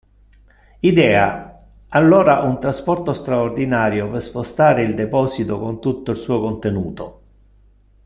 Idea, allora, un trasporto straordinario per spostare il deposito con tutto il suo contenuto.